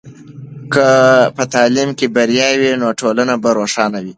که په تعلیم کې بریا وي، نو ټولنه به روښانه وي.